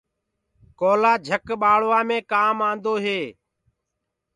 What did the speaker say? ڪوئيِلو جھڪ بآݪوآ مي ڪآن آندو هي۔